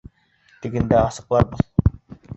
Тегендә асыҡларбыҙ.